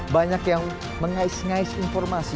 banyak yang mengais ngais informasi